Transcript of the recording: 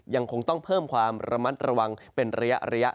ยังคงต้องเพิ่มความระมัดระวังเป็นระยะ